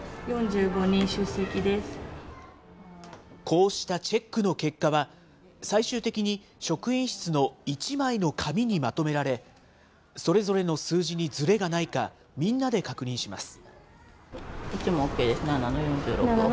こうしたチェックの結果は、最終的に職員室の１枚の紙にまとめられ、それぞれの数字にずれがないか、みんなで確認します。